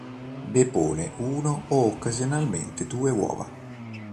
Depone uno o occasionalmente due uova.